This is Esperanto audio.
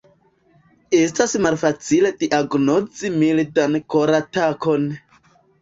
Estas malfacile diagnozi mildan koratakon.